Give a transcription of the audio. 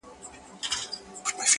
ژوند مي جهاني یوه شېبه پر باڼو ولیکه٫